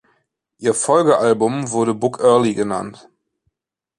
Ihr Folgealbum wurde „Book Early“ genannt.